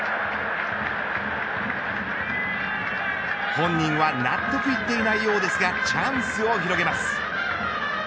本人は納得いっていないようですがチャンスを広げます。